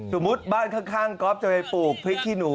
สมมุติบ้านข้างก๊อฟจะไปปลูกพริกขี้หนู